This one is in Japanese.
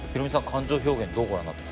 感情表現どうご覧になってました？